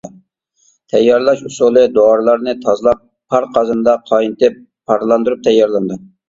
تەييارلاش ئۇسۇلى: دورىلارنى تازىلاپ، پار قازىنىدا قاينىتىپ پارلاندۇرۇپ تەييارلىنىدۇ.